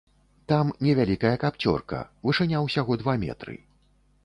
Там невялікая капцёрка, вышыня ўсяго два метры.